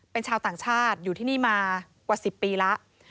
เป็นชาวต่างชาติอยู่ที่นี่มากว่า๑๐ปีแล้ว